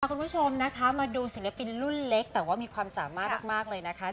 คุณผู้ชมนะคะมาดูศิลปินรุ่นเล็กแต่ว่ามีความสามารถมากเลยนะคะ